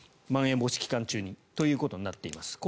まん延防止期間中にということになっています。